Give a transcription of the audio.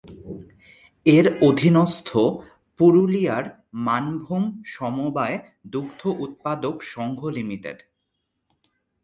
এর অধীনস্থ পুরুলিয়ার মানভূম সমবায় দুগ্ধ উৎপাদক সঙ্ঘ লিমিটেড।